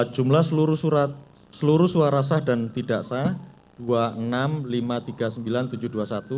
jumlah seluruh suara sah dan tidak sah